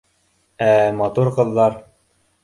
— Ә матур ҡыҙҙар?